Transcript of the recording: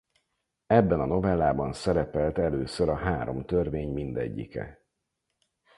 Ebben a novellában szerepelt először a három törvény mindegyike.